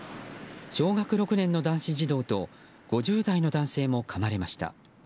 小学６年の男子児童と５０代の男性もかまれました。